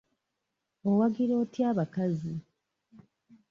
Owagira otya abakazi?